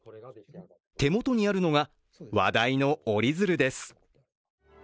手元にあるのが話題の折り鶴です。